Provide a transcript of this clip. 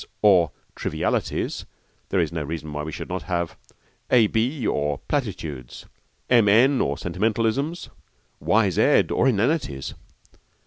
or, Trivialities there is no reason why we should not have A. B.; or, Platitudes, M.N.; or, Sentimentalisms, Y.Z.; or, Inanities.